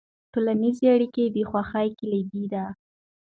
ټولنیزې اړیکې د خوښۍ کلیدي دي.